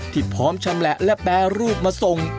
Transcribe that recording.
พร้อมชำแหละและแปรรูปมาส่ง